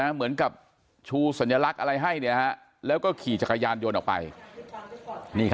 เหมือนกับชูสัญลักษณ์อะไรให้แล้วก็ขี่จักรยานยนต์ออกไป